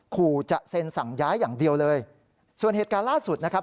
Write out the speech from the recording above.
ขู่จะเซ็นสั่งย้ายอย่างเดียวเลยส่วนเหตุการณ์ล่าสุดนะครับ